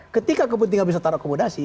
ketika kepentingan bisa taruh akomodasi